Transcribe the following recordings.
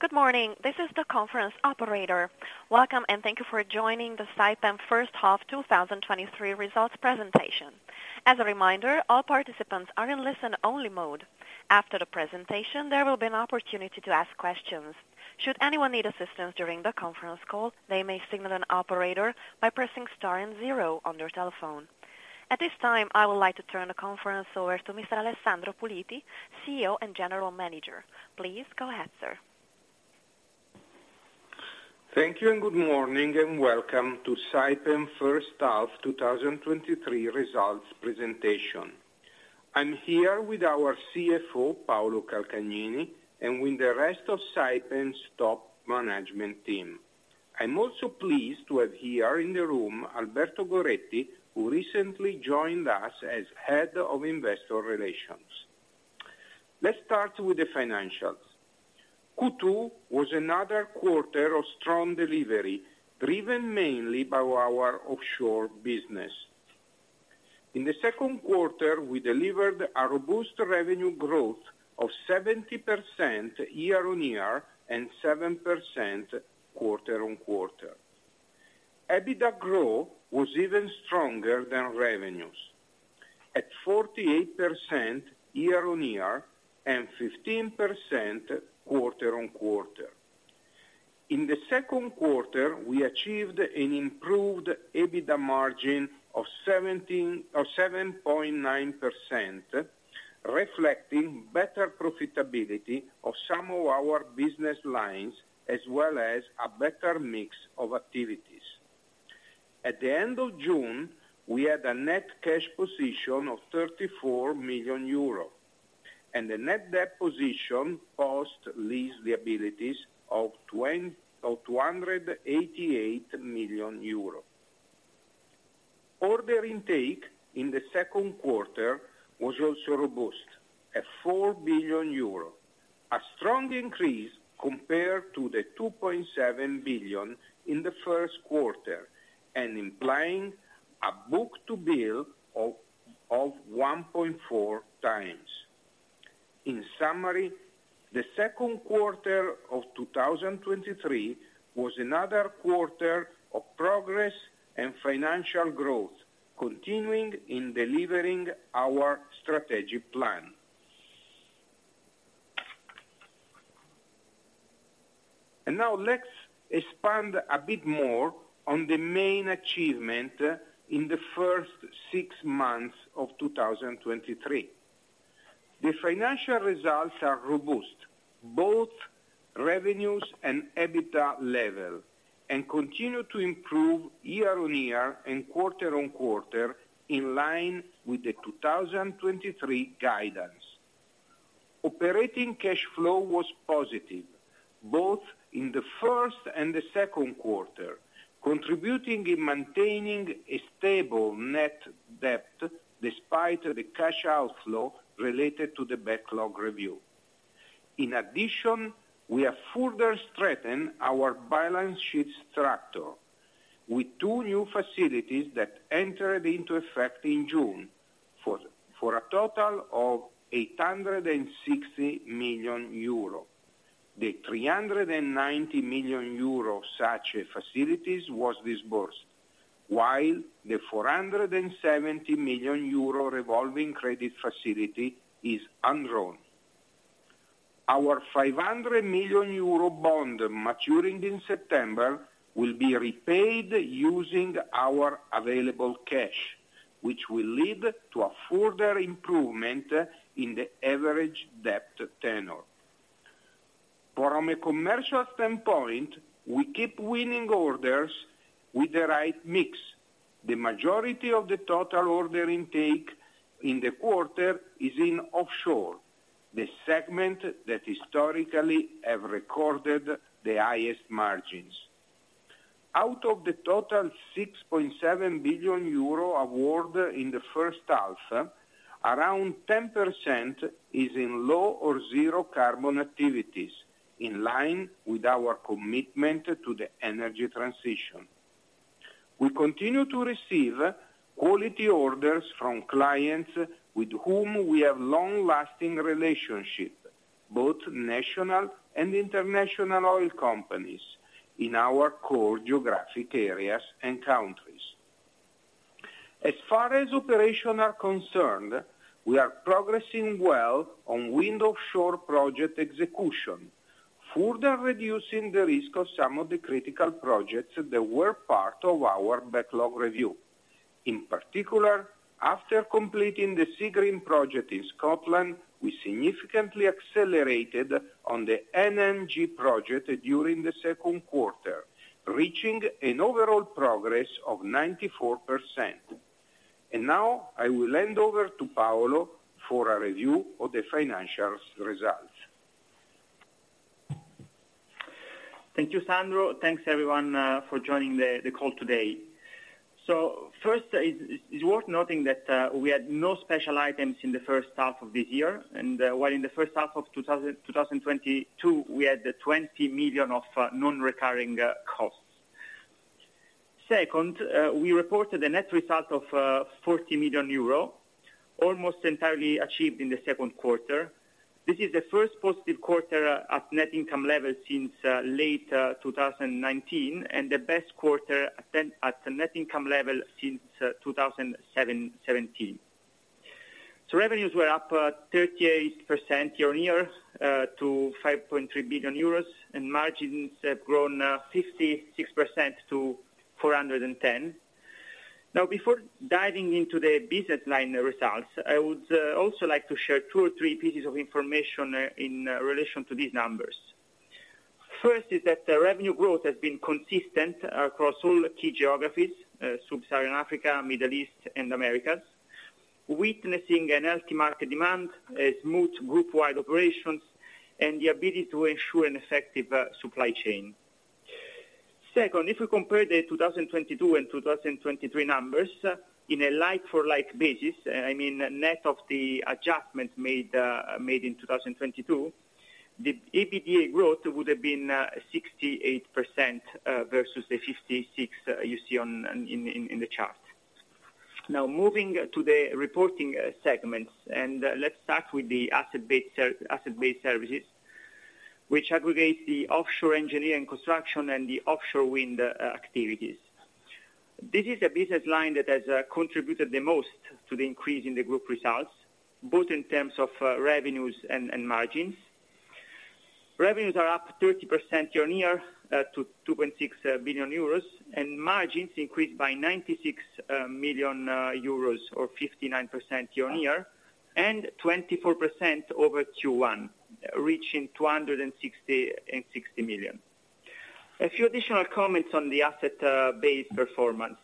Good morning. This is the conference operator. Welcome, thank you for joining the Saipem first half 2023 results presentation. As a reminder, all participants are in listen-only mode. After the presentation, there will be an opportunity to ask questions. Should anyone need assistance during the conference call, they may signal an operator by pressing star and 0 on their telephone. At this time, I would like to turn the conference over to Mr. Alessandro Puliti, CEO and General Manager. Please go ahead, sir. Thank you. Good morning. Welcome to Saipem First Half 2023 results presentation. I'm here with our CFO, Paolo Calcagnini, and with the rest of Saipem's top management team. I'm also pleased to have here in the room, Alberto Goretti, who recently joined us as Head of Investor Relations. Let's start with the financials. Q2 was another quarter of strong delivery, driven mainly by our offshore business. In the second quarter, we delivered a robust revenue growth of 70% year-on-year and 7% quarter-on-quarter. EBITDA growth was even stronger than revenues, at 48% year-on-year and 15% quarter-on-quarter. In the second quarter, we achieved an improved EBITDA margin of 7.9%, reflecting better profitability of some of our business lines, as well as a better mix of activities. At the end of June, we had a net cash position of 34 million euro, and a net debt position post lease liabilities of 288 million euro. Order intake in the second quarter was also robust, at 4 billion euro, a strong increase compared to the 2.7 billion in the first quarter, and implying a book-to-bill of 1.4 times. In summary, the second quarter of 2023 was another quarter of progress and financial growth, continuing in delivering our strategic plan. Now let's expand a bit more on the main achievement in the first six months of 2023. The financial results are robust, both revenues and EBITDA level, and continue to improve year-on-year and quarter-on-quarter, in line with the 2023 guidance. Operating cash flow was positive, both in the first and the second quarter, contributing in maintaining a stable net debt despite the cash outflow related to the backlog review. In addition, we have further strengthened our balance sheet structure with two new facilities that entered into effect in June, for a total of 860 million euro. The 390 million euro such facilities was disbursed, while the 470 million euro revolving credit facility is undrawn. Our 500 million euro bond, maturing in September, will be repaid using our available cash, which will lead to a further improvement in the average debt tenor. From a commercial standpoint, we keep winning orders with the right mix. The majority of the total order intake in the quarter is in offshore, the segment that historically have recorded the highest margins. Out of the total 6.7 billion euro award in the first half, around 10% is in low or zero carbon activities, in line with our commitment to the energy transition. We continue to receive quality orders from clients with whom we have long-lasting relationships, both national and international oil companies in our core geographic areas and countries. As far as operational are concerned, we are progressing well on wind offshore project execution, further reducing the risk of some of the critical projects that were part of our backlog review. In particular, after completing the Seagreen project in Scotland, we significantly accelerated on the NnG project during the second quarter, reaching an overall progress of 94%. Now I will hand over to Paolo for a review of the financials results. Thank you, Sandro. Thanks, everyone, for joining the call today. First, it's worth noting that we had no special items in the first half of this year, and while in the first half of 2022, we had 20 million of non-recurring costs. Second, we reported a net result of 40 million euro, almost entirely achieved in the second quarter. This is the first positive quarter at net income level since late 2019, and the best quarter at the net income level since 2017. Revenues were up 38% year-on-year to 5.3 billion euros, and margins have grown 56% to 410 million. Before diving into the business line results, I would also like to share two or three pieces of information in relation to these numbers. First is that the revenue growth has been consistent across all key geographies, Sub-Saharan Africa, Middle East, and Americas, witnessing an healthy market demand, a smooth group-wide operations, and the ability to ensure an effective supply chain. Second, if we compare the 2022 and 2023 numbers in a like for like basis, I mean, net of the adjustments made in 2022, the EBITDA growth would have been 68% versus the 56% you see in the chart. Now, moving to the reporting segments, let's start with the asset-based services, which aggregates the offshore engineering construction and the offshore wind activities. This is a business line that has contributed the most to the increase in the group results, both in terms of revenues and margins. Revenues are up 30% year-on-year to 2.6 billion euros, and margins increased by 96 million euros, or 59% year-on-year, and 24% over Q1, reaching 260 million. A few additional comments on the asset-based performance.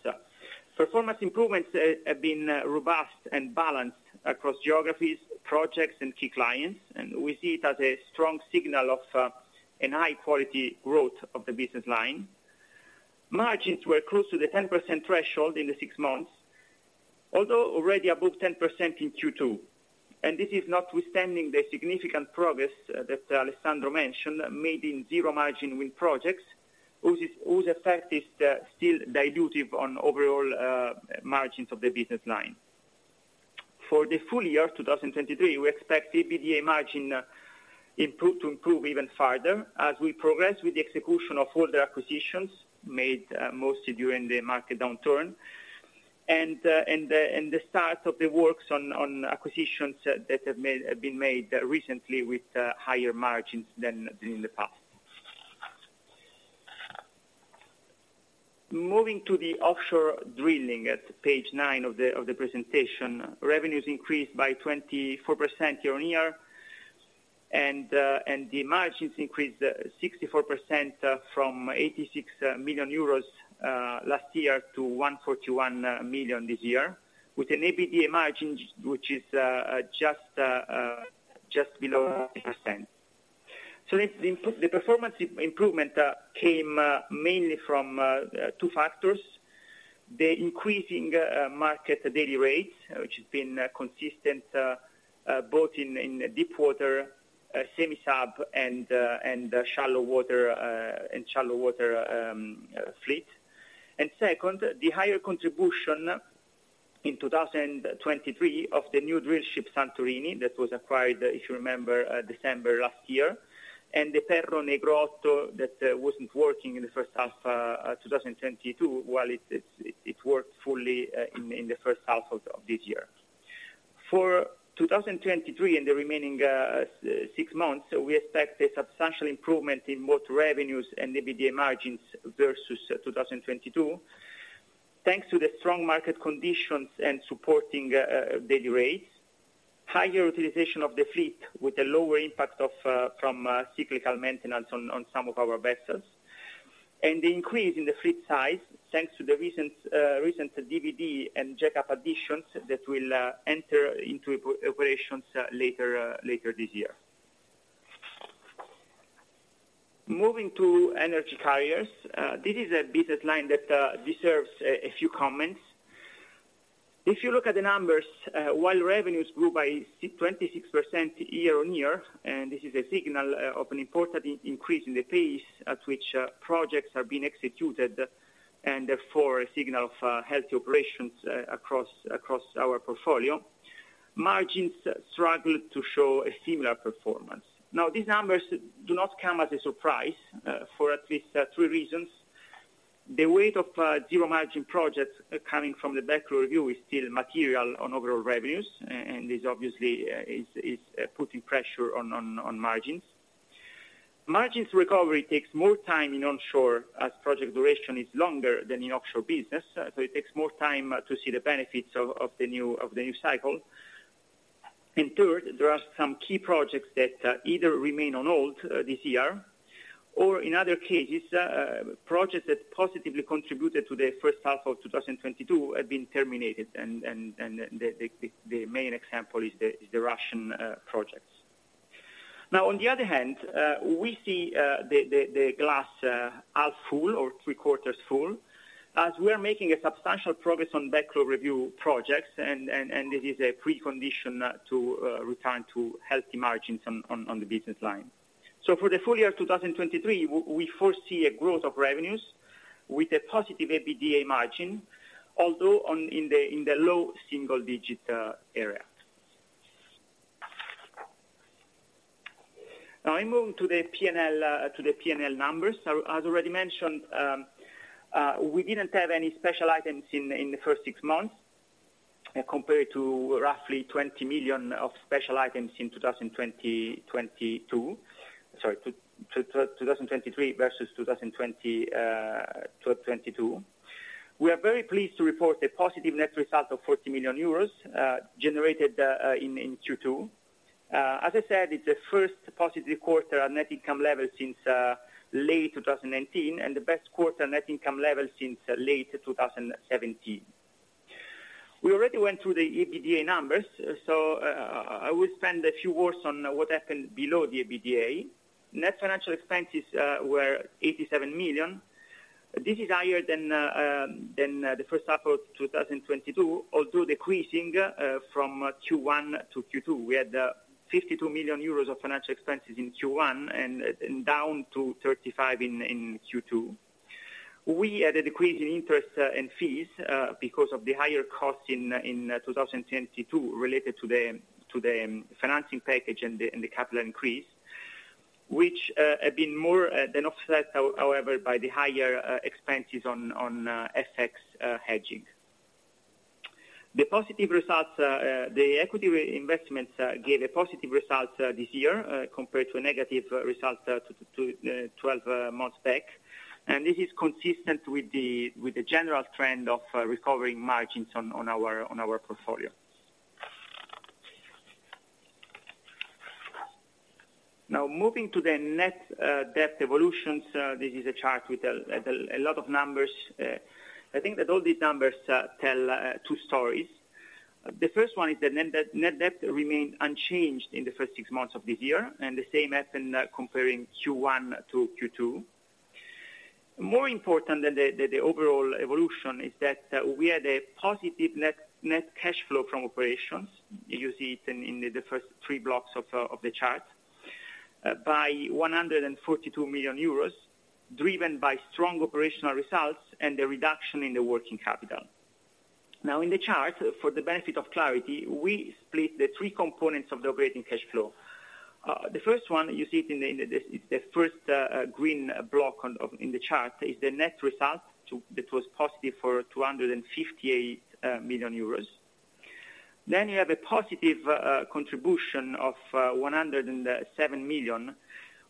Performance improvements have been robust and balanced across geographies, projects, and key clients, and we see it as a strong signal of a high quality growth of the business line. Margins were close to the 10% threshold in the six months, although already above 10% in Q2. This is notwithstanding the significant progress that Alessandro mentioned, made in zero margin wind projects, whose effect is still dilutive on overall margins of the business line. For the full year, 2023, we expect EBITDA margin to improve even further as we progress with the execution of all the acquisitions made mostly during the market downturn, and the start of the works on acquisitions that have been made recently with higher margins than in the past. Moving to the offshore drilling at page nine of the presentation, revenues increased by 24% year on year, and the margins increased 64% from 86 million euros last year to 141 million this year, with an EBITDA margin, which is just below 8%. The performance improvement came mainly from two factors: the increasing market daily rates, which has been consistent both in deep water semi-sub and shallow water fleet. Second, the higher contribution in 2023 of the new drillship, Santorini, that was acquired, if you remember, December last year, and the Perro Negro, that wasn't working in the first half 2022, while it worked fully in the first half of this year. For 2023 and the remaining six months, we expect a substantial improvement in both revenues and EBITDA margins versus 2022, thanks to the strong market conditions and supporting daily rates, higher utilization of the fleet with a lower impact from cyclical maintenance on some of our vessels, and the increase in the fleet size, thanks to the recent DVD and jack-up additions that will enter into operations later this year. Moving to energy carriers, this is a business line that deserves a few comments. If you look at the numbers, while revenues grew by 26% year-on-year, this is a signal of an important increase in the pace at which projects are being executed, and therefore, a signal of healthy operations across our portfolio, margins struggled to show a similar performance. These numbers do not come as a surprise for at least three reasons. The weight of zero margin projects coming from the backlog review is still material on overall revenues. This obviously is putting pressure on margins. Margins recovery takes more time in onshore, as project duration is longer than in offshore business. It takes more time to see the benefits of the new cycle. Third, there are some key projects that either remain on hold this year, or in other cases, projects that positively contributed to the first half of 2022 have been terminated, and the main example is the Russian projects. On the other hand, we see the glass half full or three-quarters full, as we are making substantial progress on backlog review projects, and this is a precondition to return to healthy margins on the business line. For the full year of 2023, we foresee a growth of revenues with a positive EBITDA margin, although in the low single-digit area. I move to the P&L, to the P&L numbers. As already mentioned, we didn't have any special items in the first six months, compared to roughly 20 million of special items in 2022. Sorry, 2023 versus 2022. We are very pleased to report a positive net result of 40 million euros, generated in Q2. As I said, it's the first positive quarter on net income level since late 2019, and the best quarter net income level since late 2017. We already went through the EBITDA numbers, I will spend a few words on what happened below the EBITDA. Net financial expenses were 87 million. This is higher than the first half of 2022, although decreasing from Q1 to Q2. We had 52 million euros of financial expenses in Q1, down to 35 in Q2. We had a decrease in interest and fees because of the higher costs in 2022 related to the financing package and the capital increase, which have been more than offset however by the higher expenses on FX hedging. The positive results, the equity investments gave a positive result this year, compared to a negative result 12 months back. This is consistent with the general trend of recovering margins on our portfolio. Moving to the net debt evolutions, this is a chart with a lot of numbers. I think that all these numbers tell two stories. The first one is the net debt, net debt remained unchanged in the first six months of this year, and the same happened comparing Q1 to Q2. More important than the overall evolution is that we had a positive net cash flow from operations, you see it in the first three blocks of the chart, by 142 million euros, driven by strong operational results and the reduction in the working capital. Now, in the chart, for the benefit of clarity, we split the three components of the operating cash flow. The first one, you see it in the first green block in the chart, is the net result that was positive for 258 million euros. You have a positive contribution of 107 million,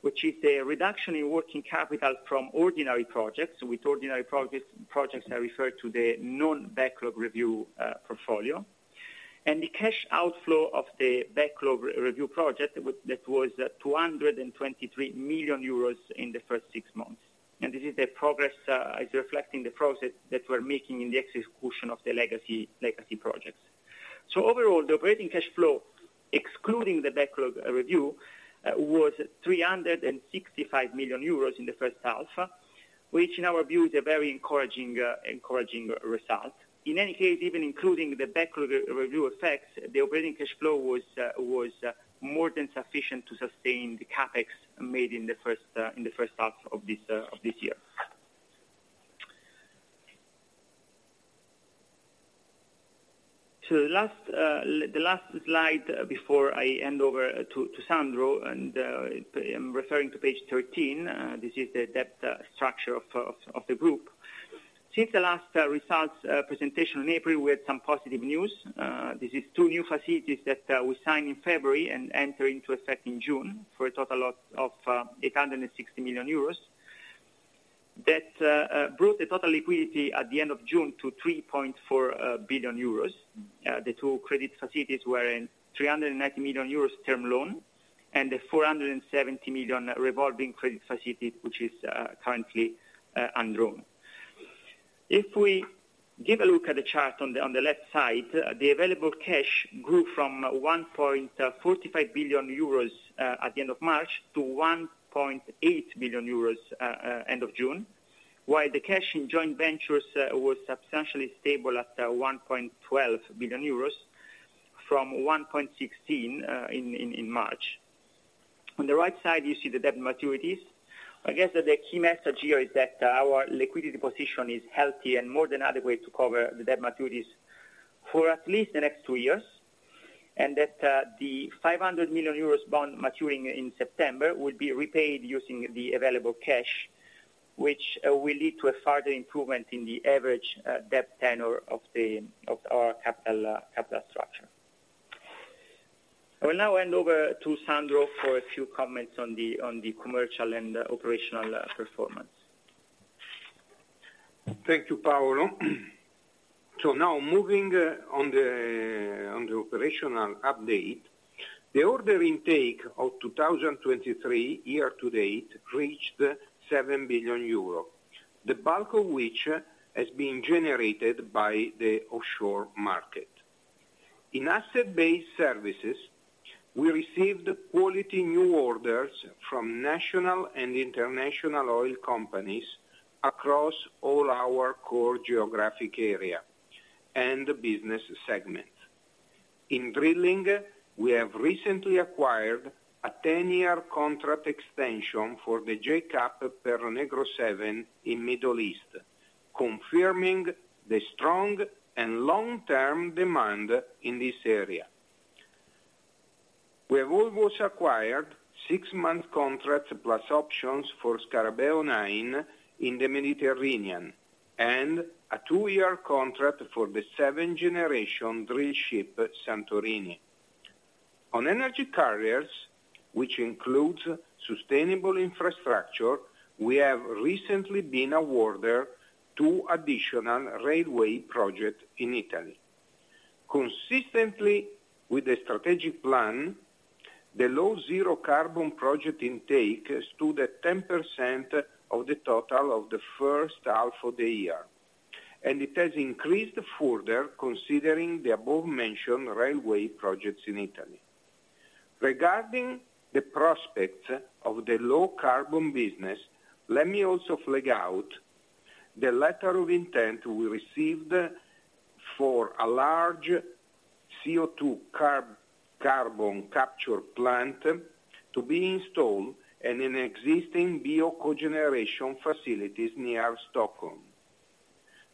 which is the reduction in working capital from ordinary projects, with ordinary projects that refer to the non-backlog review portfolio. The cash outflow of the backlog review project that was 223 million euros in the first six months. This is the progress reflecting the progress that we're making in the execution of the legacy projects. Overall, the operating cash flow, excluding the backlog review, was 365 million euros in the first half, which in our view, is a very encouraging result. In any case, even including the backlog review effect, the operating cash flow was more than sufficient to sustain the CapEx made in the first half of this year. The last slide before I hand over to Sandro, referring to page 13, this is the debt structure of the group. Since the last results presentation in April, we had some positive news. This is two new facilities that we signed in February and entered into effect in June, for a total of 860 million euros. That brought the total liquidity at the end of June to 3.4 billion euros. The two credit facilities were in 390 million euros term loan, and the 470 million revolving credit facility, which is currently undrawn. If we give a look at the chart on the left side, the available cash grew from 1.45 billion euros at the end of March, to 1.8 billion euros end of June. While the cash in joint ventures was substantially stable at 1.12 billion euros, from 1.16 billion in March. On the right side, you see the debt maturities. I guess that the key message here is that our liquidity position is healthy and more than adequate to cover the debt maturities for at least the next two years. That, the 500 million euros bond maturing in September will be repaid using the available cash, which, will lead to a further improvement in the average debt tenor of our capital structure. I will now hand over to Sandro for a few comments on the commercial and operational performance. Thank you, Paolo. Now moving on the operational update. The order intake of 2023, year to date, reached 7 billion euro, the bulk of which has been generated by the offshore market. In asset-based services, we received quality new orders from national and international oil companies across all our Core Geographic area and business segment. In drilling, we have recently acquired a 10-year contract extension for the jack-up Perro Negro 7 in Middle East, confirming the strong and long-term demand in this area. We have also acquired six month contracts plus options for Scarabeo 9 in the Mediterranean, and a two year contract for the seventh-generation drillship, Santorini. On energy carriers, which includes sustainable infrastructure, we have recently been awarded 2 additional railway project in Italy. Consistently with the strategic plan, the low zero carbon project intake stood at 10% of the total of the first half of the year, and it has increased further, considering the above-mentioned railway projects in Italy. Regarding the prospects of the low carbon business, let me also flag out the letter of intent we received for a large CO2 carbon capture plant to be installed in an existing bio-cogeneration facilities near Stockholm.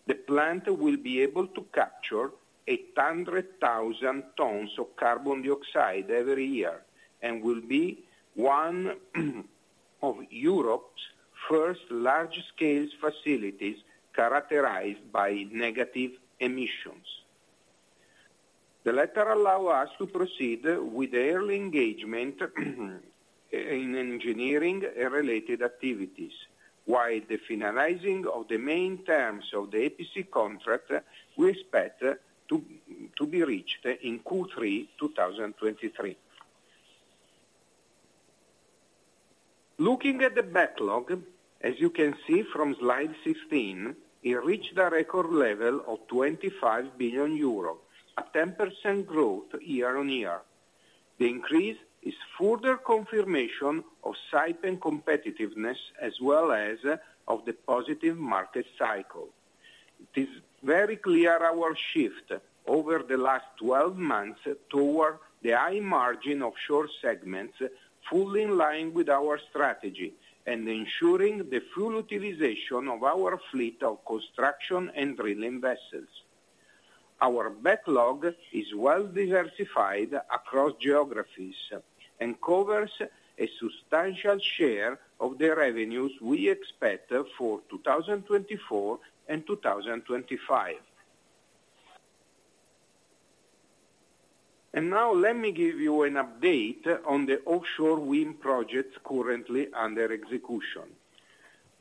The plant will be able to capture 800,000 tons of carbon dioxide every year, and will be one of Europe's first large-scale facilities characterized by negative emissions. The letter allow us to proceed with early engagement in engineering and related activities, while the finalizing of the main terms of the EPC contract, we expect to be reached in Q3 2023. Looking at the backlog, as you can see from slide 16, it reached a record level of 25 billion euro, a 10% growth year-on-year. The increase is further confirmation of Saipem competitiveness, as well as of the positive market cycle. It is very clear our shift over the last 12 months toward the high margin of short segments, fully in line with our strategy, ensuring the full utilization of our fleet of construction and drilling vessels. Our backlog is well diversified across geographies, covers a substantial share of the revenues we expect for 2024 and 2025. Now let me give you an update on the offshore wind projects currently under execution.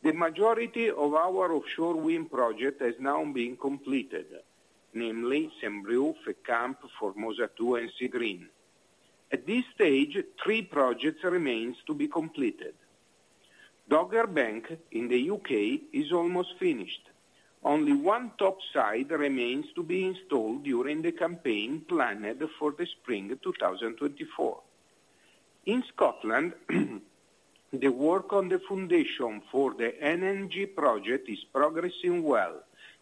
The majority of our offshore wind project has now been completed, namely, Saint-Brieuc, Fecamp, Formosa 2, and Seagreen. At this stage, three projects remains to be completed. Dogger Bank in the U.K. is almost finished. Only one top side remains to be installed during the campaign planned for the spring 2024. In Scotland, the work on the foundation for the energy project is progressing well,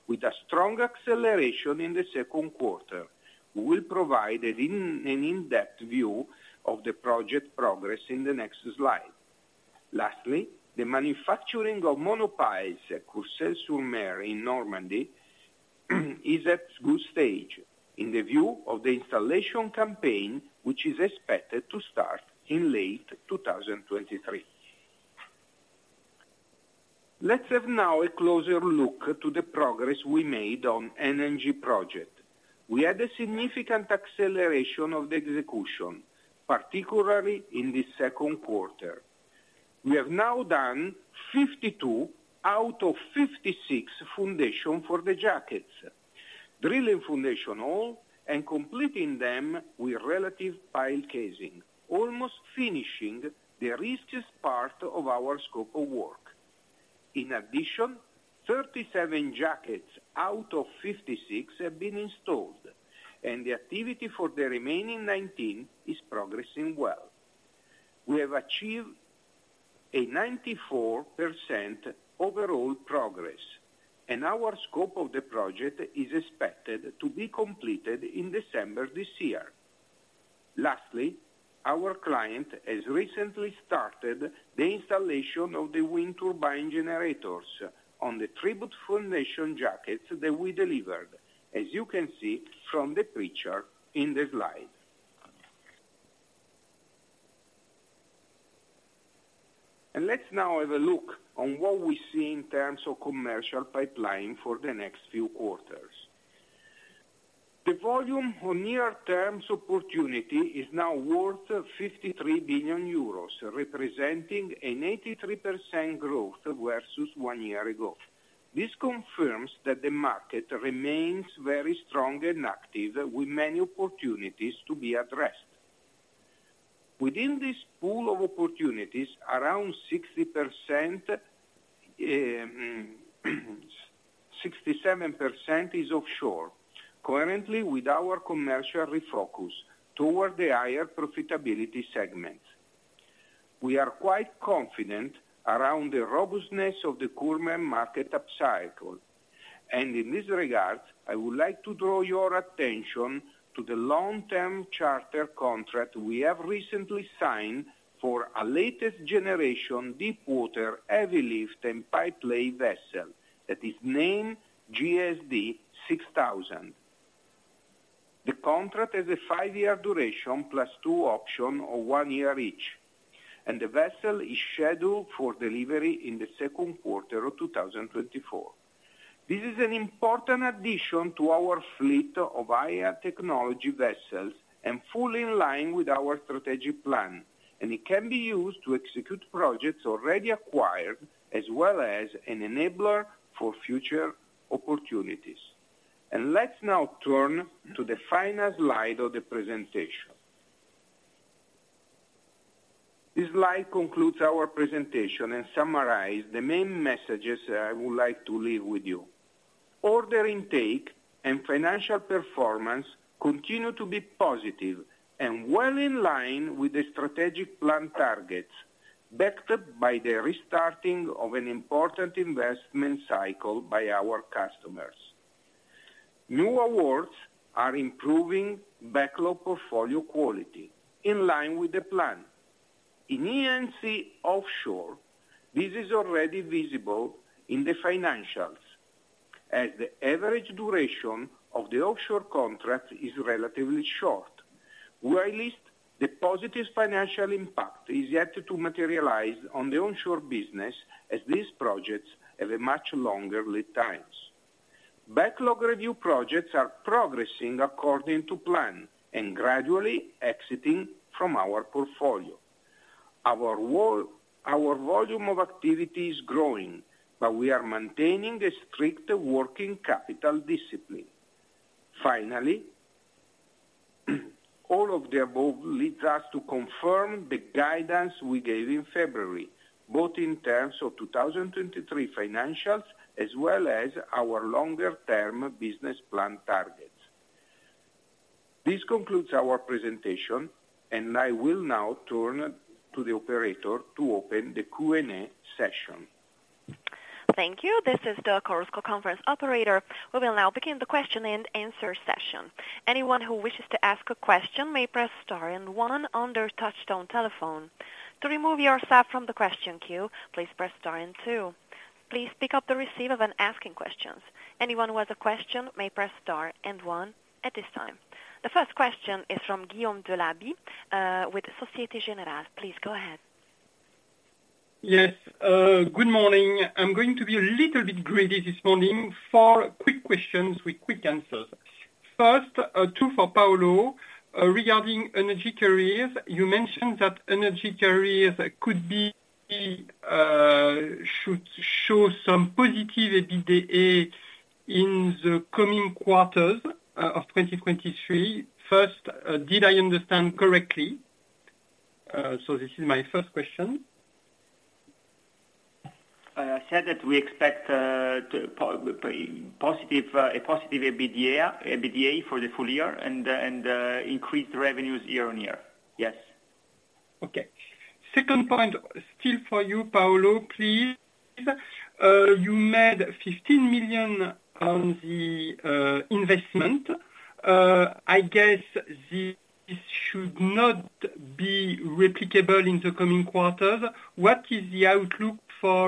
with a strong acceleration in the second quarter. We will provide an in-depth view of the project progress in the next slide. Lastly, the manufacturing of monopiles at Courseulles-sur-Mer in Normandy, is at good stage in the view of the installation campaign, which is expected to start in late 2023. Let's have now a closer look to the progress we made on energy project. We had a significant acceleration of the execution, particularly in the second quarter. We have now done 52 out of 56 foundation for the jackets, drilling foundation all, and completing them with relative pile casing, almost finishing the riskiest part of our scope of work. In addition, 37 jackets out of 56 have been installed, and the activity for the remaining 19 is progressing well. We have achieved a 94% overall progress, and our scope of the project is expected to be completed in December this year. Lastly, our client has recently started the installation of the wind turbine generators on the tripod foundation jackets that we delivered, as you can see from the picture in the slide. Let's now have a look on what we see in terms of commercial pipeline for the next few quarters. The volume on near terms opportunity is now worth 53 billion euros, representing an 83% growth versus one year ago. This confirms that the market remains very strong and active, with many opportunities to be addressed. Within this pool of opportunities, around 60% and 67% is offshore, coherently with our commercial refocus toward the higher profitability segments. We are quite confident around the robustness of the buoyant market upcycle. In this regard, I would like to draw your attention to the long-term charter contract we have recently signed for a latest generation deep water, heavy lift and pipe-lay vessel, that is named JSD 6000. The contract is a five year duration plus two option of one year each, the vessel is scheduled for delivery in second quarter of 2024. This is an important addition to our fleet of higher technology vessels and fully in line with our strategic plan, it can be used to execute projects already acquired, as well as an enabler for future opportunities. Let's now turn to the final slide of the presentation. This slide concludes our presentation and summarizes the main messages I would like to leave with you. Financial performance continue to be positive and well in line with the strategic plan targets, backed up by the restarting of an important investment cycle by our customers. New awards are improving backlog portfolio quality in line with the plan. In E&C offshore, this is already visible in the financials, as the average duration of the offshore contract is relatively short, whilst the positive financial impact is yet to materialize on the onshore business as these projects have a much longer lead times. Backlog review projects are progressing according to plan and gradually exiting from our portfolio. Our volume of activity is growing, but we are maintaining a strict working capital discipline. Finally, all of the above leads us to confirm the guidance we gave in February, both in terms of 2023 financials as well as our longer term business plan targets. This concludes our presentation, I will now turn to the operator to open the Q&A session. Thank you. This is the chorus call conference operator. We will now begin the question and answer session. Anyone who wishes to ask a question may press star and one on their touchtone telephone. To remove yourself from the question queue, please press star and two. Please pick up the receiver when asking questions. Anyone who has a question may press star and one at this time. The first question is from Guillaume Delaby with Société Générale. Please go ahead. Yes, good morning. I'm going to be a little bit greedy this morning. Four quick questions with quick answers. First, two for Paolo. Regarding energy carriers, you mentioned that energy carriers could be, should show some positive EBITDA in the coming quarters of 2023. First, did I understand correctly? This is my first question. I said that we expect positive, a positive EBITDA for the full year increased revenues year-over-year. Okay. Second point, still for you, Paolo, please. You made 15 million on the investment. I guess this should not be replicable in the coming quarters. What is the outlook for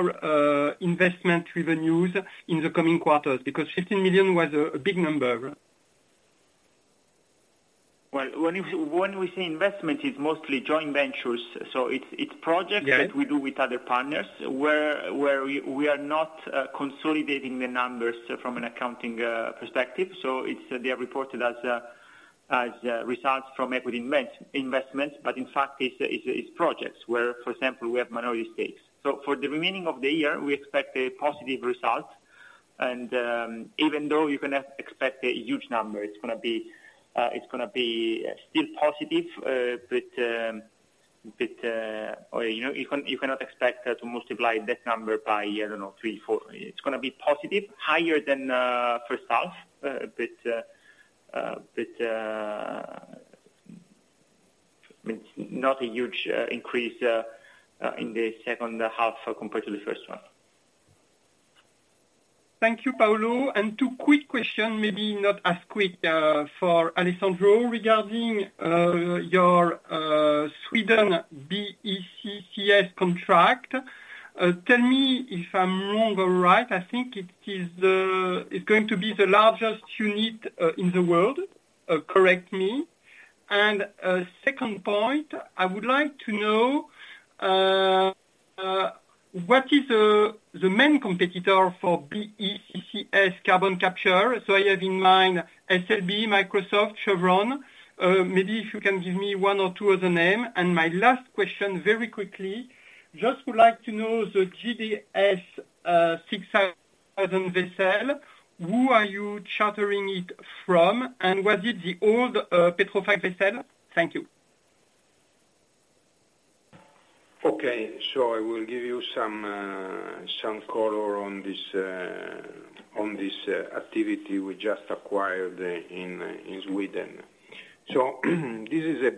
investment revenues in the coming quarters? Because 15 million was a big number. Well, when you, when we say investment, it's mostly joint ventures, so it's projects. Yes... that we do with other partners, where we are not consolidating the numbers from an accounting perspective. They are reported as results from equity investments, but in fact, it's projects where, for example, we have minority stakes. For the remaining of the year, we expect a positive result. Even though you cannot expect a huge number, it's gonna be still positive, but, you know, you cannot expect to multiply that number by, I don't know, three, four. It's gonna be positive, higher than first half, but it's not a huge increase in the second half compared to the first one. Thank you, Paolo. two quick question, maybe not as quick, for Alessandro Puliti, regarding your Sweden BECCS contract. Tell me if I'm wrong or right. I think it is the it's going to be the largest unit in the world. Correct me. Second point, I would like to know what is the main competitor for BECCS carbon capture? I have in mind SLB, Microsoft, Chevron. Maybe if you can give me one or two other name. My last question, very quickly, just would like to know the JSD 6000 vessel. Who are you chartering it from? Was it the old Petrofac vessel? Thank you. Okay, I will give you some color on this activity we just acquired in Sweden. This is a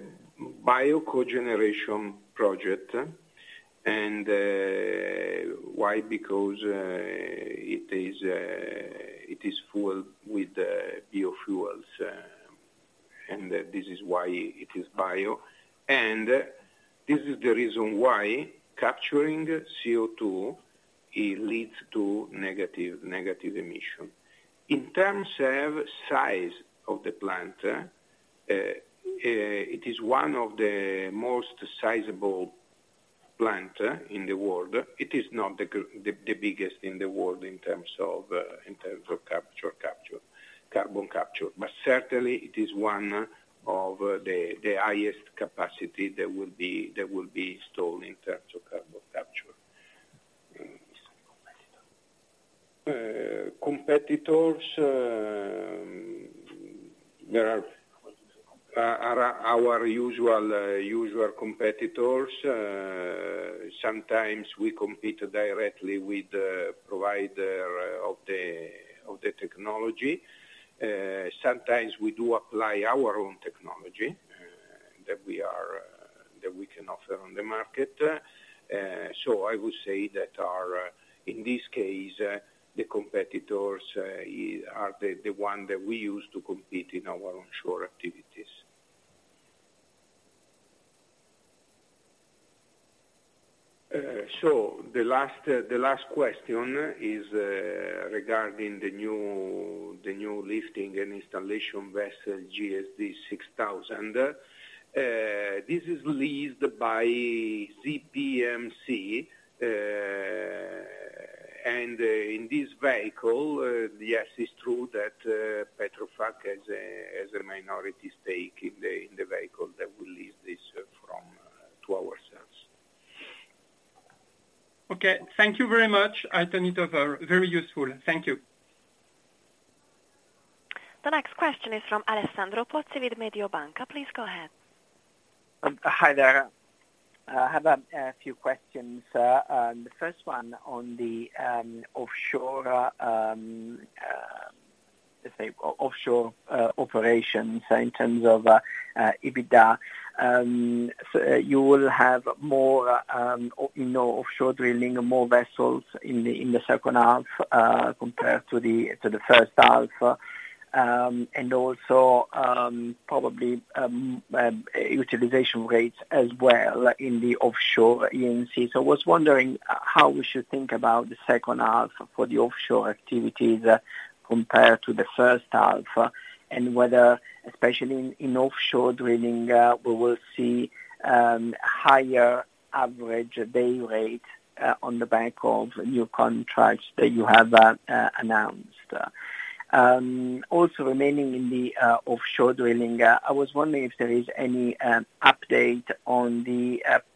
bio-cogeneration project, and why? Because it is full with biofuels, and this is why it is bio. This is the reason why capturing CO2, it leads to negative emission. In terms of size of the plant, it is one of the most sizable plant in the world. It is not the biggest in the world in terms of carbon capture. Certainly, it is one of the highest capacity that will be installed in terms of carbon capture. Competitors, there are our usual competitors. Sometimes we compete directly with the provider of the, of the technology. Sometimes we do apply our own technology that we are that we can offer on the market. I would say that our in this case, the competitors are the one that we use to compete in our onshore activities. The last the last question is regarding the new, the new lifting and installation vessel, JSD 6000. This is leased by ZPMC, and in this vehicle, yes, it's true that Petrofac has a has a minority stake in the in the vehicle that will lease this from to ourselves. Okay, thank you very much, [Alessandro]. Very useful. Thank you. The next question is from Alessandro Pozzi with Mediobanca. Please go ahead. Hi there. I have a few questions. The first one on the offshore, let's say, offshore operations in terms of EBITDA. You will have more, you know, offshore drilling and more vessels in the second half compared to the first half, and also probably utilization rates as well in the offshore E&C. I was wondering how we should think about the second half for the offshore activities compared to the first half, and whether, especially in offshore drilling, we will see higher average day rate on the back of new contracts that you have announced. Also remaining in the offshore drilling, I was wondering if there is any update on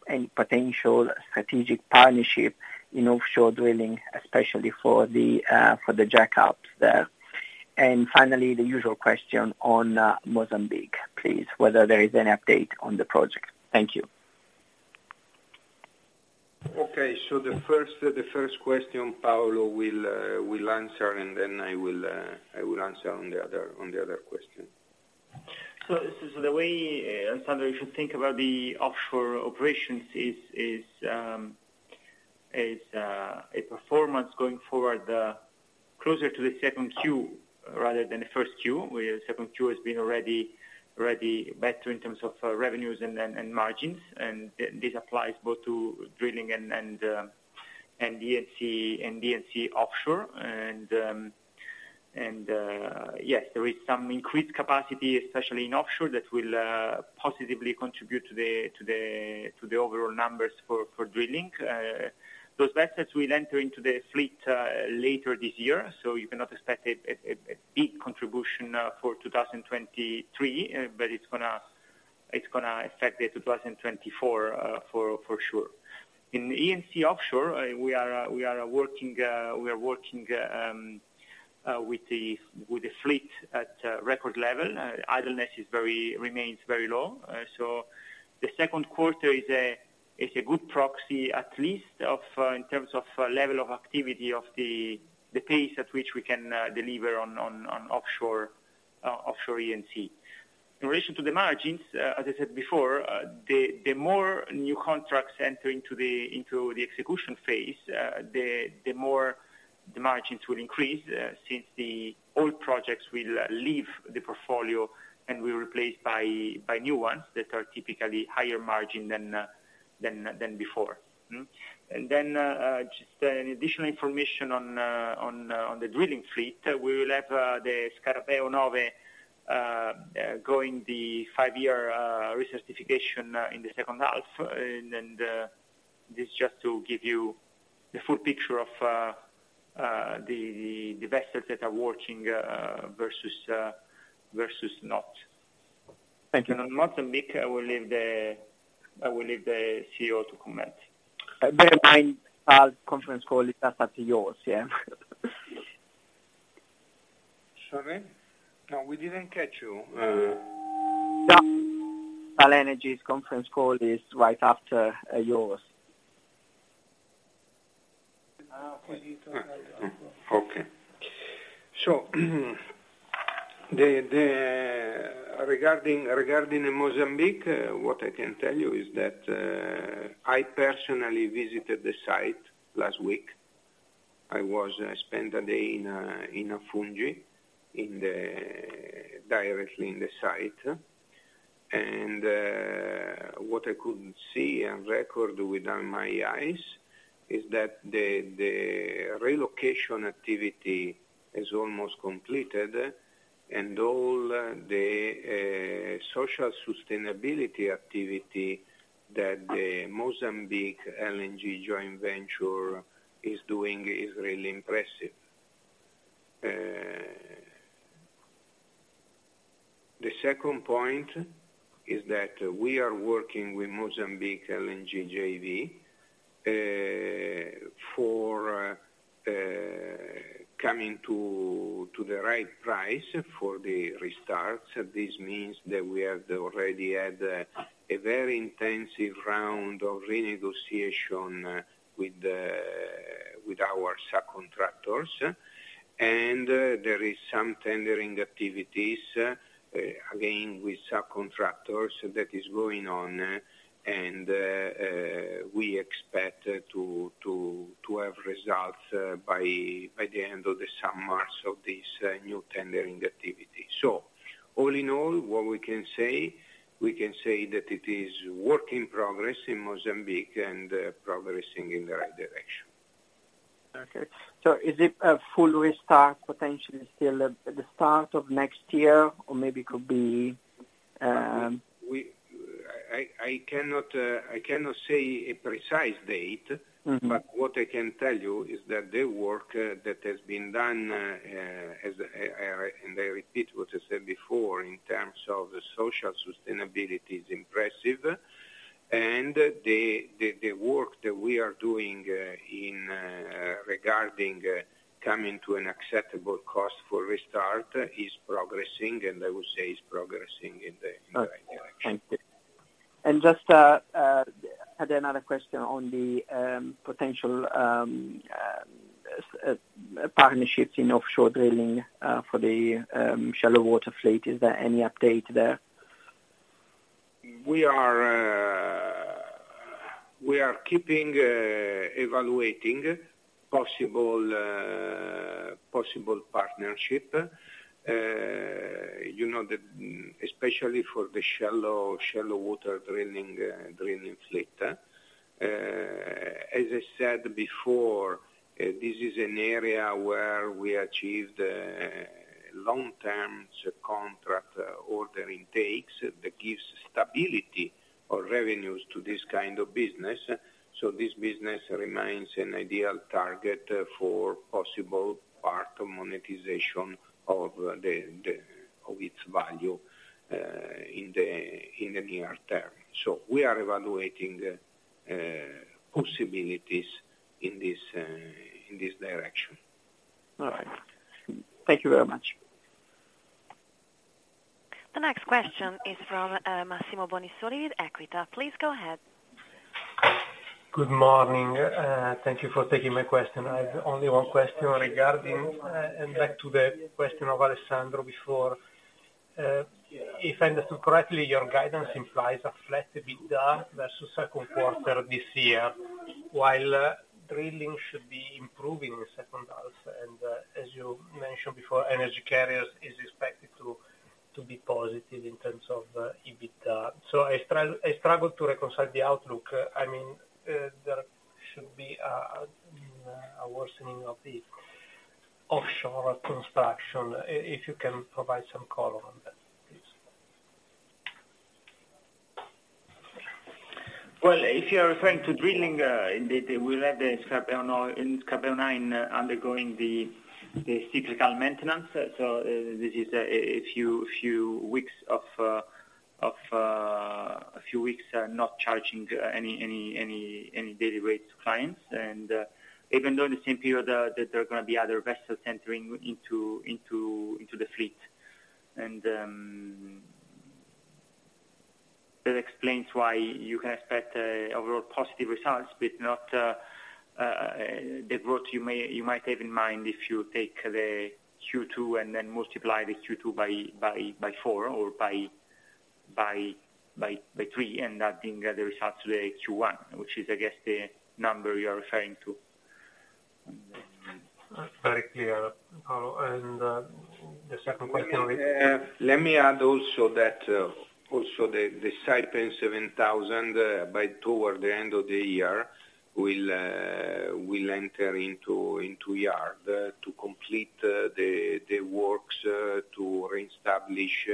any potential strategic partnership in offshore drilling, especially for the jackups there? Finally, the usual question on Mozambique, please, whether there is any update on the project? Thank you. Okay, the first question, Paolo will answer. Then I will answer on the other question. This is the way, Alessandro, you should think about the offshore operations is a performance going forward, closer to the second Q, rather than the first Q, where second Q has been already better in terms of revenues and then, and margins, and this applies both to drilling and E&C offshore. Yes, there is some increased capacity, especially in offshore, that will positively contribute to the overall numbers for drilling. Those vessels will enter into the fleet later this year, so you cannot expect a big contribution for 2023, but it's gonna affect the 2024 for sure. In E&C offshore, we are working with the fleet at record level. Idleness remains very low. The second quarter is a good proxy, at least of in terms of level of activity of the pace at which we can deliver on offshore E&C. In relation to the margins, as I said before, the more new contracts enter into the execution phase, the more the margins will increase, since the old projects will leave the portfolio and will replace by new ones that are typically higher margin than before. Just an additional information on the drilling fleet, we will have the Scarabeo 9 going the five-year recertification in the second half. This just to give you the full picture of the vessels that are working versus not. Thank you. Mozambique, I will leave the CEO to comment. I'll conference call it up to yours, yeah? Sorry? No, we didn't catch you. Yeah. PAL Energies conference call is right after yours. Okay. Regarding, regarding the Mozambique, what I can tell you is that I personally visited the site last week. I spent a day in Afungi, directly in the site. What I could see and record with my eyes, is that the relocation activity is almost completed, and all the social sustainability activity that the Mozambique LNG joint venture is doing is really impressive. The second point is that we are working with Mozambique LNG JV for coming to the right price for the restart. This means that we have already had a very intensive round of renegotiation with our subcontractors. There is some tendering activities, again, with subcontractors that is going on, and we expect to have results by the end of the summer, so this new tendering activity. All in all, what we can say that it is work in progress in Mozambique and progressing in the right direction. Okay. Is it a full restart, potentially still at the start of next year, or maybe could be? We, I cannot say a precise date. Mm-hmm. What I can tell you is that the work that has been done, as I repeat what I said before, in terms of the social sustainability, is impressive, and the work that we are doing in regarding coming to an acceptable cost for restart, is progressing, and I would say is progressing in the right direction. Okay. Thank you. Just, I had another question on the potential partnerships in offshore drilling for the shallow water fleet. Is there any update there? We are, we are keeping evaluating possible partnership, you know, especially for the shallow water drilling fleet. As I said before, this is an area where we achieved long-term contract order intakes that gives stability of revenues to this kind of business. This business remains an ideal target for possible part of monetization of its value in the near term. We are evaluating possibilities in this direction. All right. Thank you very much. The next question is from Massimo Bonisoli with Equita. Please go ahead. Good morning, thank you for taking my question. I have only one question regarding and back to the question of Alessandro before. If I understood correctly, your guidance implies a flat EBITDA versus second quarter this year, while drilling should be improving in the second half. As you mentioned before, energy carriers is expected to be positive in terms of EBITDA. I struggle to reconcile the outlook. I mean, there should be a worsening of the offshore construction. If you can provide some color on that, please. Well, if you are referring to drilling, indeed, we'll have the Scarabeo 9 undergoing the cyclical maintenance. This is a few weeks not charging any daily rates to clients. Even though in the same period that there are going to be other vessels entering into the fleet. That explains why you can expect overall positive results, but not the growth you may, you might have in mind if you take the Q2 and then multiply the Q2 by four or by three, and adding the results to the Q1, which is, I guess, the number you are referring to. Very clear, Paolo. The second question- at the Saipem 7000, by toward the end of the year, will enter into yard to complete the works to reestablish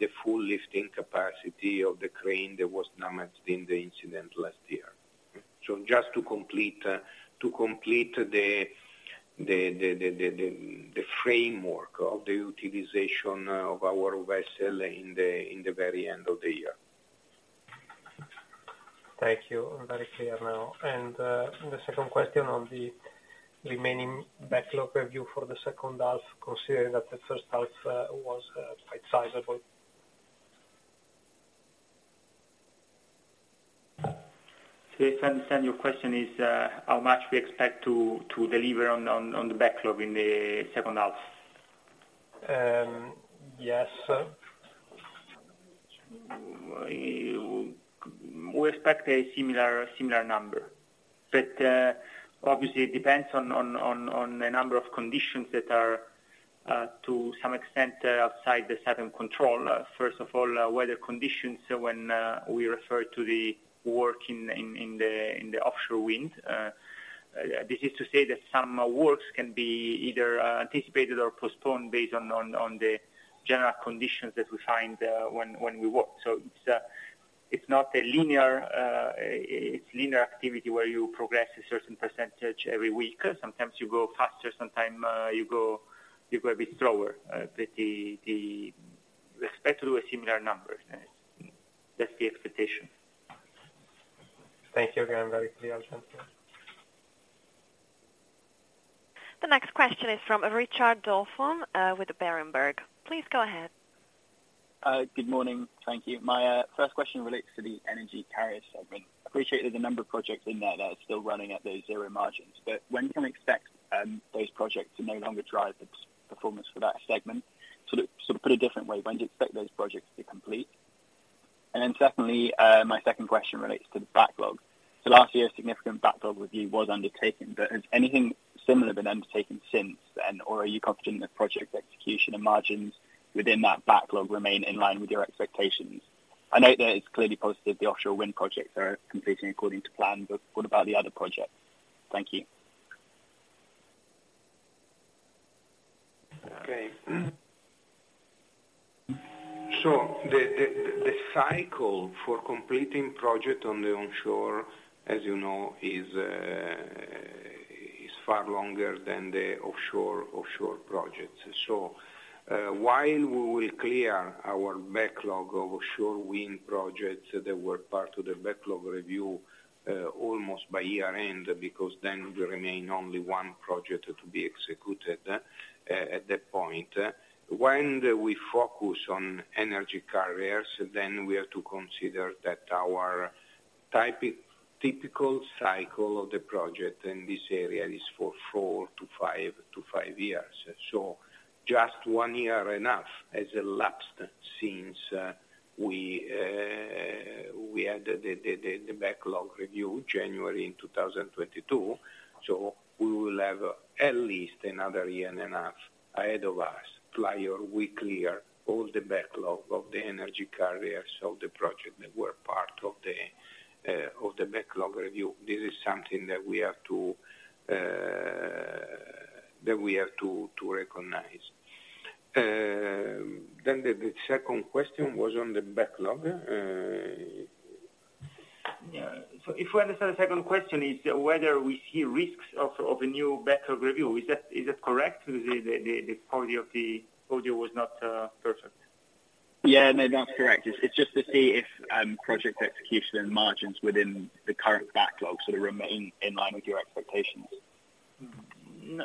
the full lifting capacity of the crane that was damaged in the incident last year. Just to complete the framework of the utilization of our vessel in the very end of the year. Thank you. I'm very clear now. The second question on the remaining backlog review for the second half, considering that the first half was quite sizable. If I understand, your question is, how much we expect to deliver on the backlog in the second half? yes, sir. We expect a similar number. Obviously, it depends on the number of conditions that are to some extent outside the certain control. First of all, weather conditions when we refer to the work in the offshore wind. This is to say that some works can be either anticipated or postponed based on the general conditions that we find when we work. It's not a linear, it's linear activity where you progress a certain percentage every week. Sometimes you go faster, sometime you go a bit slower. We expect to do similar numbers. That's the expectation. Thank you again. I'm very clear. I'll thank you. The next question is from Richard Dawson, with the Berenberg. Please go ahead. Good morning. Thank you. My first question relates to the energy carrier segment. I appreciate there's a number of projects in there that are still running at those zero margins, but when can we expect those projects to no longer drive the performance for that segment? To put a different way, when do you expect those projects to complete? Secondly, my second question relates to the backlog. Last year, a significant backlog review was undertaken, but has anything similar been undertaken since then, or are you confident the project execution and margins within that backlog remain in line with your expectations? I know that it's clearly posted the offshore wind projects are completing according to plan, but what about the other projects? Thank you. Okay. Mm. The cycle for completing project on the onshore, as you know, is far longer than the offshore projects. While we will clear our backlog of offshore wind projects that were part of the backlog review almost by year end, because then will remain only one project to be executed at that point. When we focus on energy carriers, then we are to consider that our typical cycle of the project in this area is for four to five years. Just one year enough has elapsed since we had the backlog review January in 2022. We will have at least another year and a half ahead of us, prior we clear all the backlog of the energy carriers of the project that were part of the backlog review. This is something that we have to that we have to recognize. Then the second question was on the backlog. Yeah. If I understand the second question is, whether we see risks of a new backlog review, is that, is that correct? The quality of the audio was not perfect. Yeah, no, that's correct. It's just to see if project execution and margins within the current backlog sort of remain in line with your expectations.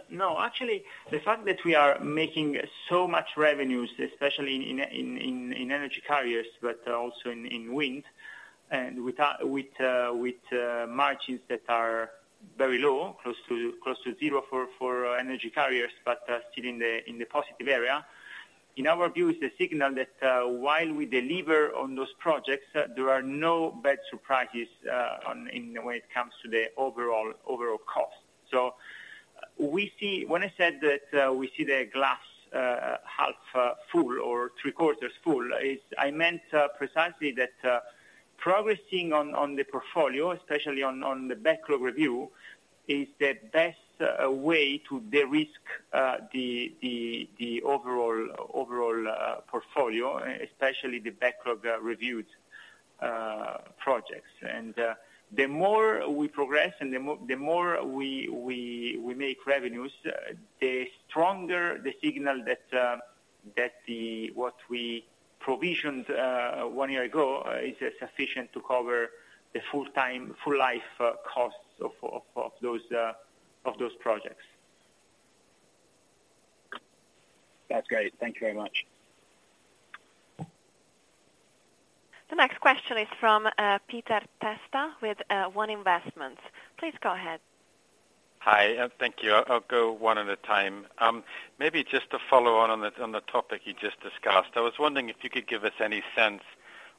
No, actually, the fact that we are making so much revenues, especially in energy carriers, but also in wind, and with margins that are very low, close to zero for energy carriers, but still in the positive area. In our view, it's a signal that while we deliver on those projects, there are no bad surprises when it comes to the overall cost. We see. When I said that we see the glass half full or three quarters full, is I meant precisely that progressing on the portfolio, especially on the backlog review, is the best way to de-risk the overall portfolio, especially the backlog reviews projects. The more we progress and the more we make revenues, the stronger the signal that what we provisioned 1 year ago is sufficient to cover the full-time, full life costs of those projects. That's great. Thank you very much. The next question is from Peter Testa, with One Investment. Please go ahead. Hi, and thank you. I'll go one at a time. Maybe just to follow on the topic you just discussed. I was wondering if you could give us any sense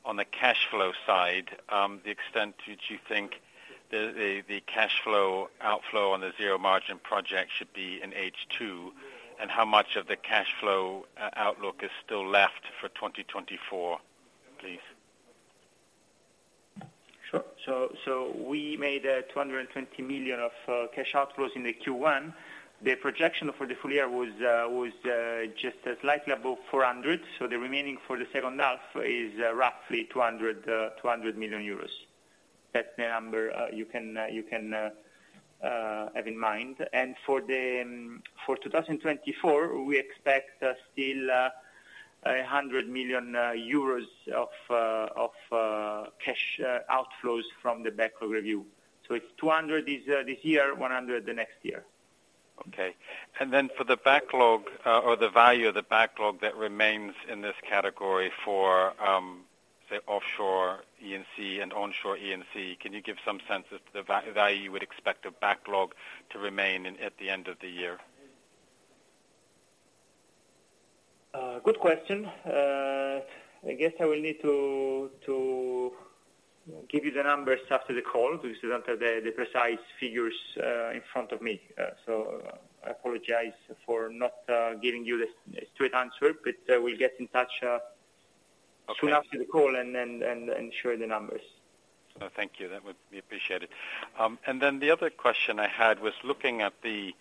on the cash flow side, the extent that you think the cash flow outflow on the zero margin project should be in H2, and how much of the cash flow outlook is still left for 2024, please? Sure. We made 220 million of cash outflows in Q1. The projection for the full year was just slightly above 400 million, the remaining for the second half is roughly 200 million euros. That's the number you can have in mind. For 2024, we expect still 100 million euros of cash outflows from the backlog review. It's 200 this year, 100 the next year. Okay. For the backlog, or the value of the backlog that remains in this category for, say, offshore E&C and onshore E&C, can you give some sense of the value you would expect the backlog to remain in, at the end of the year? Good question. I guess I will need to give you the numbers after the call, because I don't have the precise figures in front of me. I apologize for not giving you the straight answer, but we'll get in touch. Okay. soon after the call and share the numbers. Thank you. That would be appreciated. The other question I had was looking at the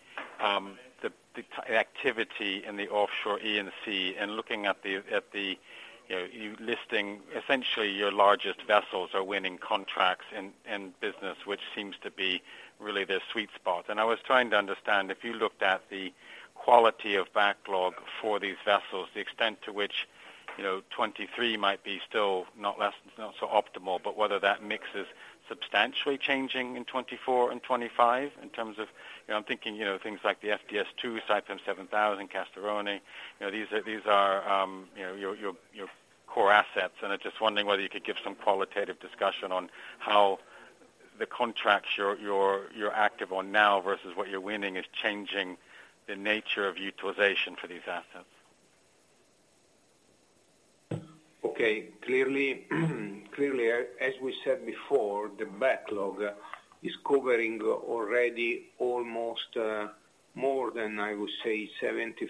activity in the offshore E&C and looking at the, you know, you listing essentially your largest vessels are winning contracts and business, which seems to be really the sweet spot. I was trying to understand if you looked at the quality of backlog for these vessels, the extent to which, you know, 23 might be still not less, not so optimal, but whether that mix is substantially changing in 24 and 25, in terms of, you know, I'm thinking, you know, things like the FDS 2, Saipem 7000, Castorone, you know, these are, you know, your core assets. I'm just wondering whether you could give some qualitative discussion on how the contracts you're active on now versus what you're winning is changing the nature of utilization for these assets? Okay. Clearly, clearly, as we said before, the backlog is covering already almost more than, I would say, 75%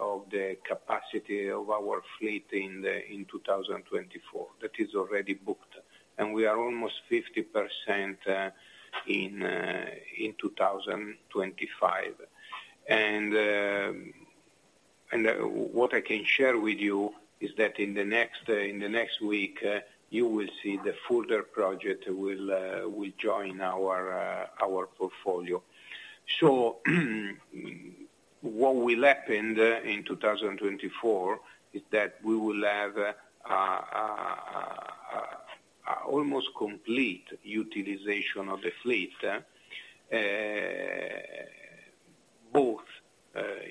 of the capacity of our fleet in 2024. That is already booked. We are almost 50% in 2025. What I can share with you is that in the next week, you will see the further project will join our portfolio. What will happen in 2024 is that we will have almost complete utilization of the fleet, both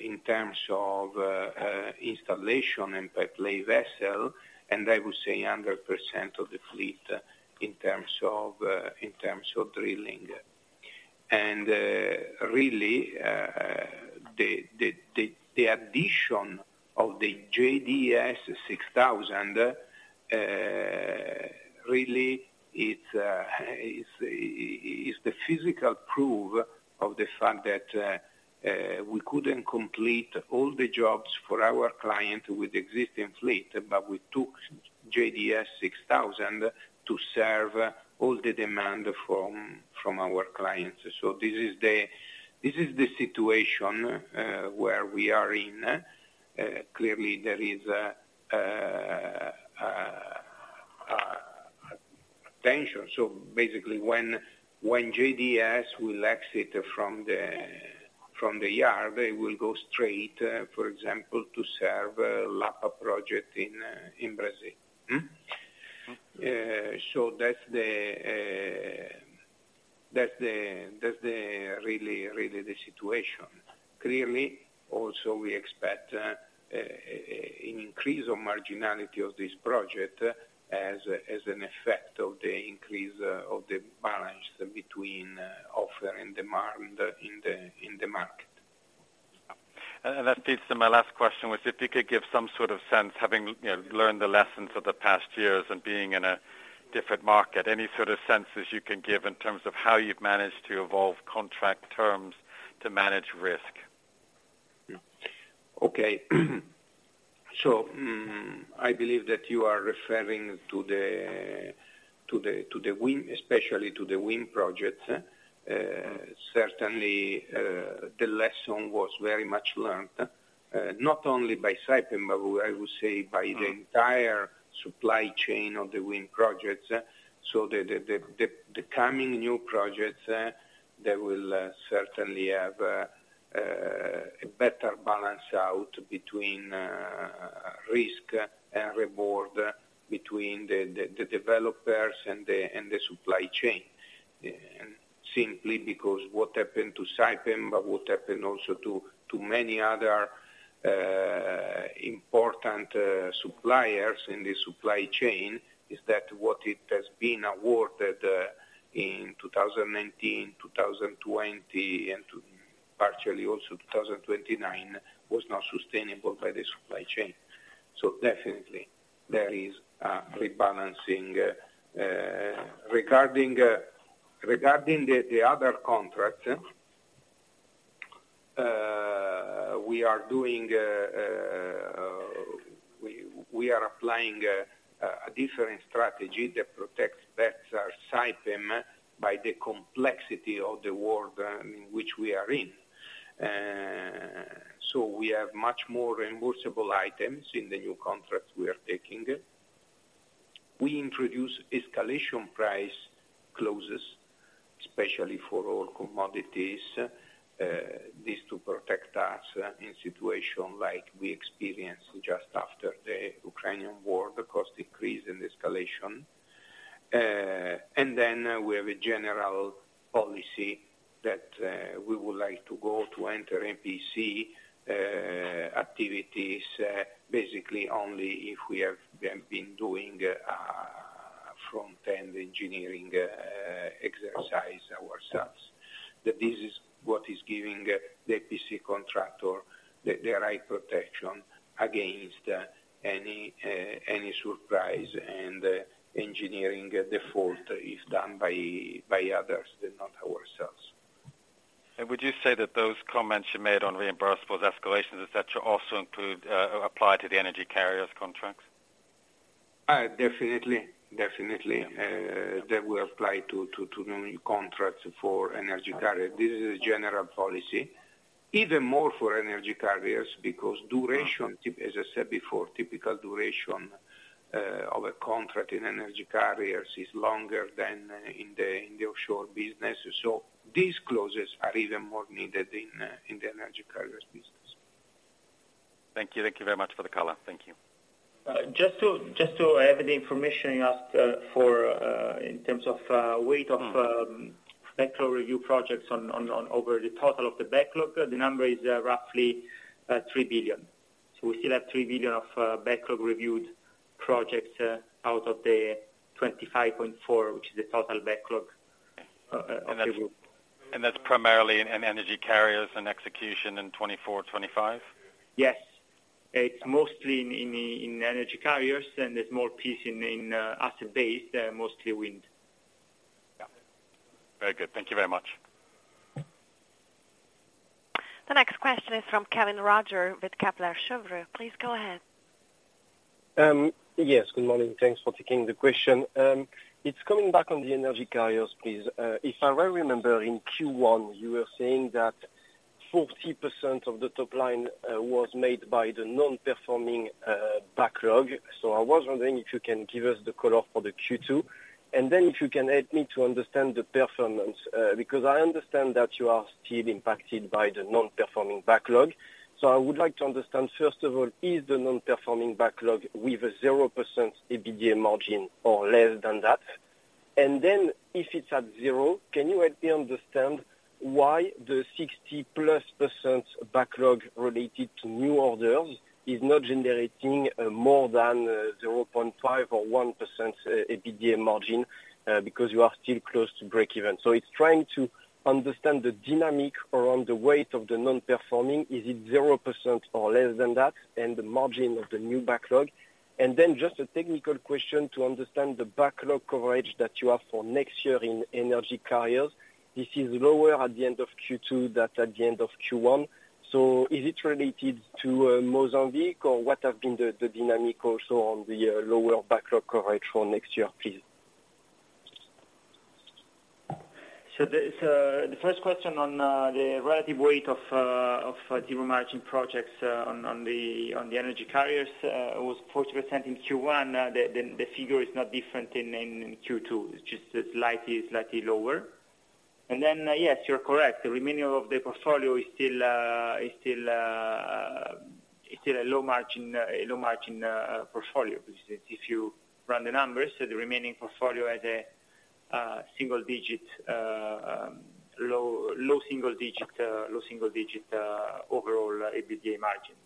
in terms of installation and pipe lay vessel, and I would say 100% of the fleet in terms of drilling. Really, the addition of the JSD 6000, really it's the physical proof of the fact that we couldn't complete all the jobs for our client with existing fleet, but we took JSD 6000 to serve all the demand from our clients. This is the situation where we are in. Clearly, there is a tension. Basically, when JSD will exit from the yard, they will go straight, for example, to serve Lapa project in Brazil. Mm-hmm. Okay. That's the really, really the situation. Clearly, also, we expect an increase of marginality of this project as an effect of the increase of the balance between offer and demand in the market. That leads to my last question, was if you could give some sort of sense, having, you know, learned the lessons of the past years and being in a different market, any sort of senses you can give in terms of how you've managed to evolve contract terms to manage risk? Okay. I believe that you are referring to the wind, especially to the wind projects. Certainly, the lesson was very much learned, not only by Saipem, but I would say, Mm. The entire supply chain of the wind projects. The coming new projects, they will certainly have a better balance out between risk and reward between the developers and the supply chain. Simply because what happened to Saipem, but what happened also to many other important suppliers in the supply chain, is that what it has been awarded in 2019, 2020, and to partially also 2029, was not sustainable by the supply chain. Definitely, there is a rebalancing. Regarding the other contract, we are applying a different strategy that protects better Saipem by the complexity of the world which we are in. We have much more reimbursable items in the new contracts we are taking. We introduce escalation price clauses, especially for all commodities, this to protect us in situation like we experienced just after the Ukrainian war, the cost increase and escalation. We have a general policy that we would like to go to enter EPC activities basically only if we have been doing a front-end engineering exercise ourselves. This is what is giving the EPC contractor the right protection against any surprise and engineering default is done by others, than not ourselves. Would you say that those comments you made on reimbursable escalations, et cetera, also apply to the energy carriers contracts? Definitely. They will apply to new contracts for energy carriers. This is a general policy, even more for energy carriers, because duration, as I said before, typical duration of a contract in energy carriers is longer than in the offshore business. These clauses are even more needed in the energy carriers business. Thank you. Thank you very much for the color. Thank you. just to have the information you asked for, in terms of weight of backlog review projects on the total of the backlog, the number is roughly 3 billion. We still have 3 billion of backlog reviewed projects out of the 25.4 billion, which is the total backlog of the group. That's primarily in energy carriers and execution in 2024, 2025? Yes. It's mostly in energy carriers, and there's more piece in asset base, mostly wind. Yeah. Very good. Thank you very much. The next question is from Kevin Roger with Kepler Cheuvreux. Please go ahead. Yes, good morning. Thanks for taking the question. It's coming back on the energy carriers, please. If I well remember, in Q1, you were saying that 40% of the top line was made by the non-performing backlog. I was wondering if you can give us the color for the Q2, if you can help me to understand the performance because I understand that you are still impacted by the non-performing backlog. I would like to understand, first of all, is the non-performing backlog with a 0% EBITDA margin or less than that? If it's at zero, can you help me understand why the 60%+ backlog related to new orders is not generating more than 0.5% or 1% EBITDA margin because you are still close to breakeven? It's trying to understand the dynamic around the weight of the non-performing. Is it 0% or less than that, and the margin of the new backlog? Just a technical question to understand the backlog coverage that you have for next year in energy carriers. This is lower at the end of Q2, that's at the end of Q1. Is it related to Mozambique, or what have been the dynamic also on the lower backlog coverage for next year, please? The first question on the relative weight of zero margin projects on the energy carriers was 40% in Q1. The figure is not different in Q2. It's just slightly lower. Yes, you're correct. The remaining of the portfolio is still a low margin portfolio. If you run the numbers, the remaining portfolio has a single digit low single digit overall EBITDA margin.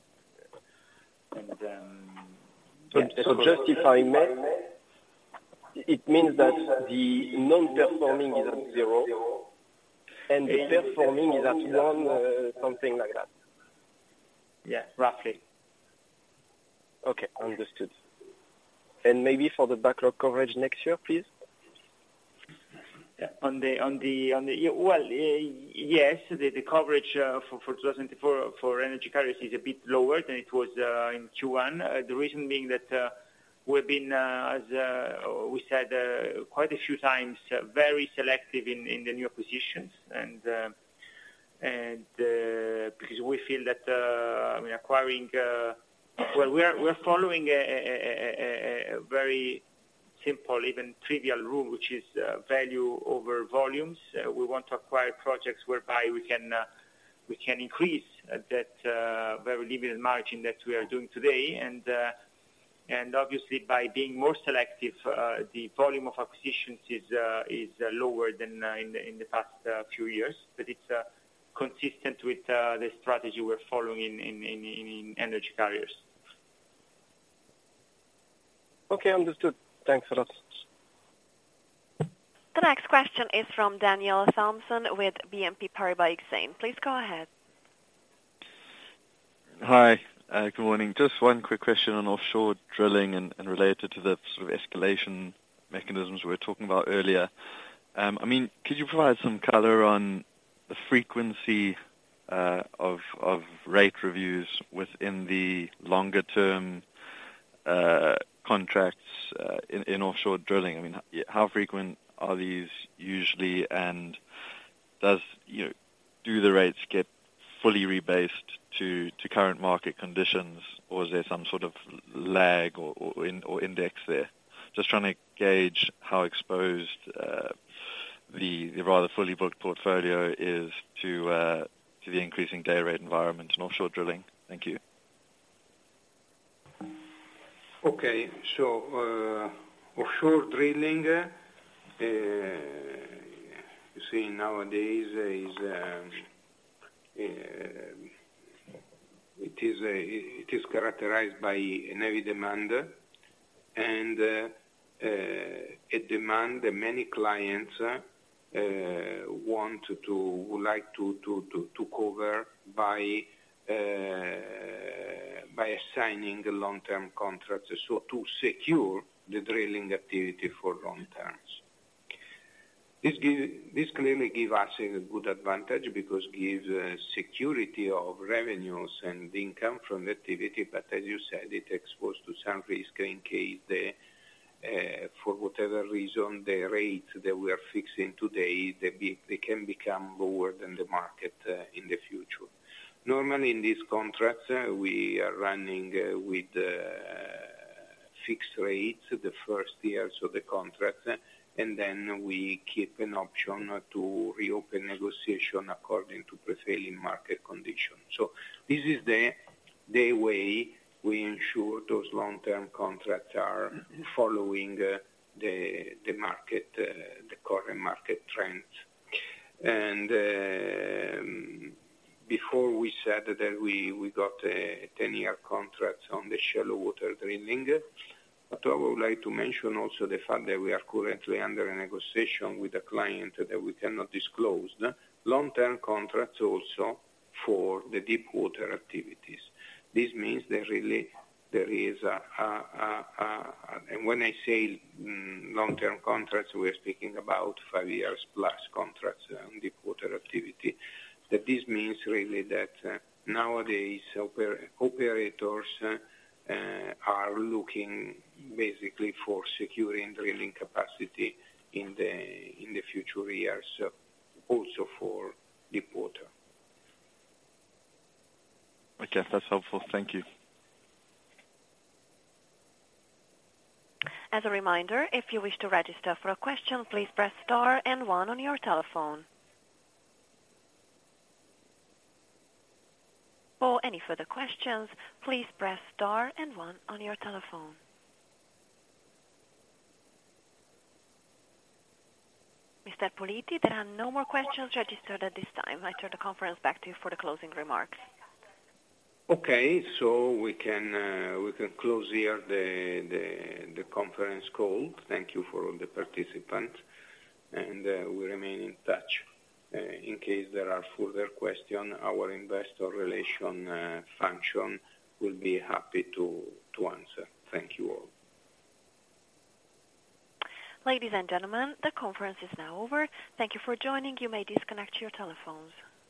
Just if I may, it means that the non-performing is at 0%, and the performing is at one, something like that? Yeah, roughly. Okay, understood. Maybe for the backlog coverage next year, please? Yeah, on the, Well, yes, the coverage for 2024, for energy carriers is a bit lower than it was in Q1. The reason being that we've been, as we said quite a few times, very selective in the new positions. Because we feel that we are acquiring. Well, we are following a very simple, even trivial rule, which is value over volumes. We want to acquire projects whereby we can increase that very limited margin that we are doing today. Obviously, by being more selective, the volume of acquisitions is lower than in the past few years, but it's consistent with the strategy we're following in energy carriers. Okay, understood. Thanks a lot. The next question is from Daniel Thomson with BNP Paribas Exane. Please go ahead. Hi, good morning. Just one quick question on offshore drilling and related to the sort of escalation mechanisms we were talking about earlier. I mean, could you provide some color on the frequency of rate reviews within the longer-term contracts in offshore drilling? I mean, how frequent are these usually? Does, you know, do the rates get fully rebased to current market conditions, or is there some sort of lag or index there? Just trying to gauge how exposed the rather fully booked portfolio is to the increasing day rate environment in offshore drilling. Thank you. Okay. Offshore drilling, you see nowadays it is characterized by a heavy demand, a demand that many clients would like to cover by assigning long-term contracts, to secure the drilling activity for long terms. This clearly give us a good advantage because it gives security of revenues and income from activity, as you said, it exposed to some risk in case for whatever reason, the rate that we are fixing today, they can become lower than the market in the future. Normally, in this contract, we are running with fixed rates the first years of the contract, we keep an option to reopen negotiation according to prevailing market conditions. This is the way we ensure those long-term contracts are following the market, the current market trends. Before we said that we got a 10-year contract on the shallow water drilling, but I would like to mention also the fact that we are currently under a negotiation with a client that we cannot disclose. Long-term contracts also for the deep water activities. This means that really there is a. When I say long-term contracts, we are speaking about five years plus contracts on deep water activity. That this means really that nowadays, operators are looking basically for securing drilling capacity in the future years, also for deep water. Okay, that's helpful. Thank you. As a reminder, if you wish to register for a question, please press star and one on your telephone. For any further questions, please press star and one on your telephone. Mr. Puliti, there are no more questions registered at this time. I turn the conference back to you for the closing remarks. We can close here the conference call. Thank you for all the participants. We remain in touch. In case there are further questions, our investor relations function will be happy to answer. Thank you all. Ladies and gentlemen, the conference is now over. Thank you for joining. You may disconnect your telephones.